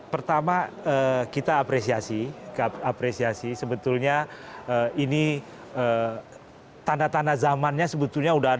pertama kita apresiasi sebetulnya ini tanda tanda zamannya sebetulnya sudah ada